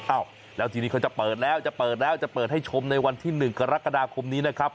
อ้าวแล้วทีนี้เขาจะเปิดแล้วจะเปิดแล้วจะเปิดให้ชมในวันที่๑กรกฎาคมนี้นะครับ